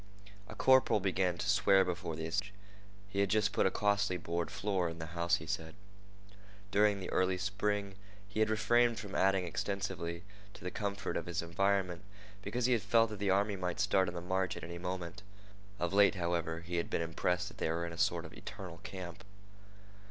A corporal began to swear before the assemblage. He had just put a costly board floor in his house, he said. During the early spring he had refrained from adding extensively to the comfort of his environment because he had felt that the army might start on the march at any moment. Of late, however, he had been impressed that they were in a sort of eternal camp.